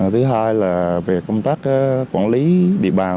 thứ hai là về công tác quản lý địa bàn